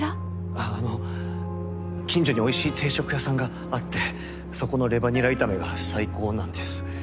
あっあの近所においしい定食屋さんがあってそこのレバにら炒めが最高なんです。